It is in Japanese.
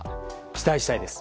期待したいです。